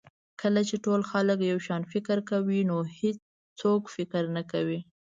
کله چې ټول خلک یو شان فکر کوي نو هېڅوک فکر نه کوي.